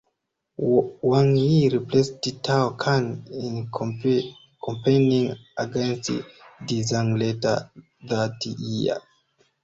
Wang Yi replaced Tao Kan in campaigning against Du Zeng later that year.